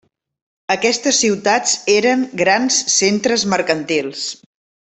Aquestes ciutats eren grans centres mercantils.